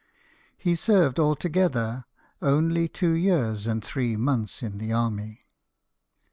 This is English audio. He served altogether only two years and three months in the army.